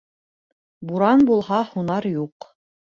Буран булһа, һунар юҡ